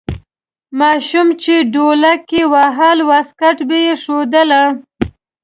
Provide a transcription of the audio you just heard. ماشوم چې ډولک یې واهه واسکټ به یې ښویده.